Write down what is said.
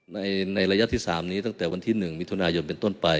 ในระยะที่๓นี้ตั้งแต่วันที่๑มิถุนายนเป็นต้นไป